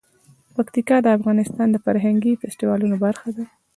پکتیکا د افغانستان د فرهنګي فستیوالونو برخه ده.